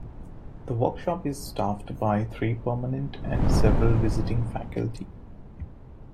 The workshop is staffed by three permanent and several visiting faculty.